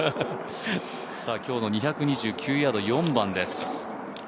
今日の２２９ヤード、４番です。